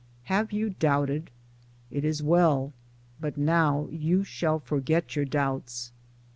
Have you doubted? — It is well. But now you shall forget your doubts.